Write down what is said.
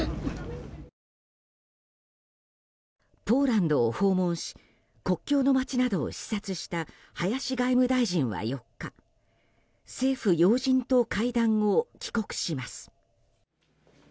ポーランドを訪問し国境の町などを視察した林外務大臣は４日政府要人と会談後、帰国します。